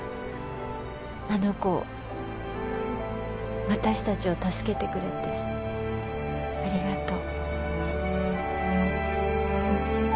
あの子を私たちを助けてくれてありがとう。